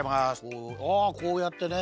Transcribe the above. あこうやってね。